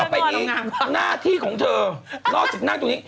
ต่อไปนี้หน้าที่ของเธอ